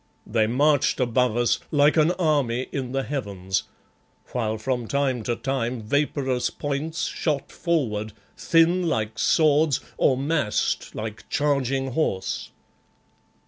They marched above us like an army in the heavens, while from time to time vaporous points shot forward, thin like swords, or massed like charging horse.